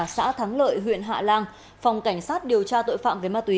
xã thắng lợi huyện hạ lan phòng cảnh sát điều tra tội phạm về ma túy